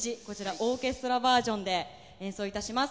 オーケストラバージョンで演奏いたします。